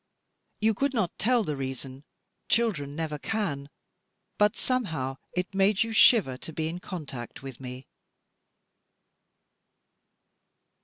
You could not tell the reason, children never can; but somehow it made you shiver to be in contact with me.